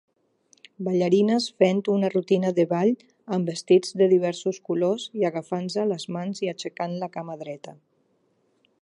Ballarines fent una rutina de ball amb vestits de diversos colors i agafant-se les mans i aixecant la cama dreta.